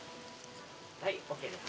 ・はいＯＫです。